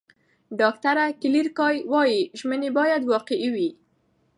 ډاکټره کلیر کای وايي، ژمنې باید واقعي وي.